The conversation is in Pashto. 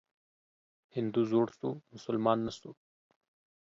هندو زوړ سو ، مسلمان نه سو.